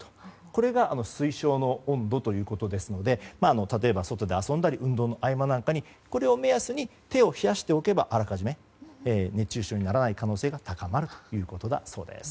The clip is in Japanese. これが推奨の温度ということですので例えば外で遊んだり運動の合間なんかにこれを目安にあらかじめ手を冷やしておけば熱中症にならない可能性が高まるということだそうです。